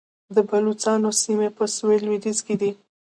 د بلوڅانو سیمې په سویل لویدیځ کې دي